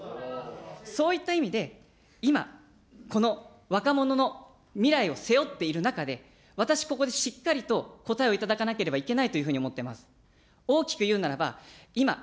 そういった意味で、今、この若者の未来を背負っている中で、私、ここでしっかりと答えを頂かなければいけないというふうに思っています。